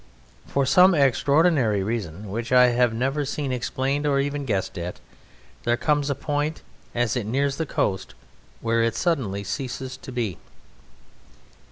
For some extraordinary reason, which I have never seen explained or even guessed at, there comes a point as it nears the coast where it suddenly ceases to be.